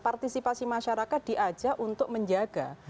partisipasi masyarakat diajak untuk menjaga